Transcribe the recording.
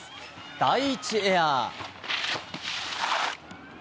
第１エア。